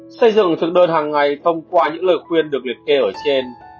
xây dựng thực đơn hàng ngày thông qua những lời khuyên được liệt kê ở trên